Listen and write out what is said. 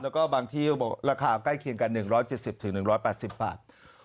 แล้วก็บางที่บอกราคาใกล้เคียงกัน๑๗๐๑๘๐บาท